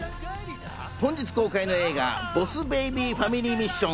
本日公開の映画『ボス・ベイビーファミリー・ミッション』。